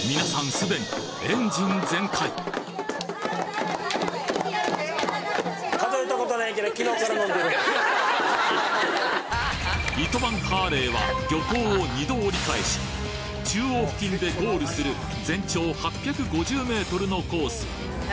すでに糸満ハーレーは漁港を二度折り返し中央付近でゴールする全長８５０ｍのコース